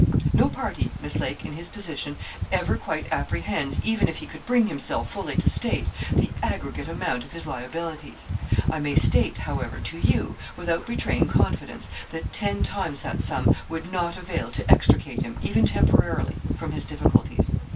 No party, Miss Lake, in his position, ever quite apprehends, even if he could bring himself fully to state, the aggregate amount of his liabilities. I may state, however, to you, without betraying confidence, that ten times that sum would not avail to extricate him, even temporarily, from his difficulties.